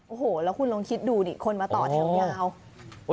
โอ้โหแล้วคุณลองคิดดูดิคนมาต่อแถวยาว